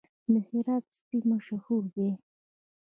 د هرات سپي مشهور دي